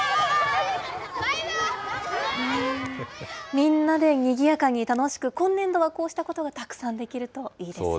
みんなでにぎやかに楽しく、今年度はこうしたことがたくさんできるといいですよね。